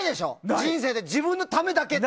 人生で自分のためだけって。